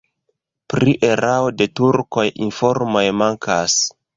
Pri erao de turkoj informoj mankas.